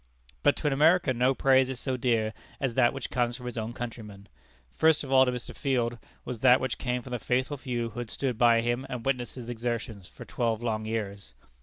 But to an American no praise is so dear as that which comes from his own countrymen. First of all to Mr. Field, was that which came from the faithful few who had stood by him and witnessed his exertions for twelve long years.